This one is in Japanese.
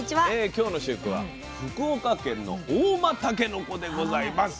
今日の主役は福岡県の合馬たけのこでございます。